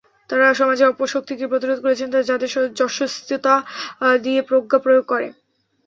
তাঁরা সমাজের অপশক্তিকে প্রতিরোধ করেছেন তাঁদের যশস্বিতা দিয়ে প্রজ্ঞা প্রয়োগ করে।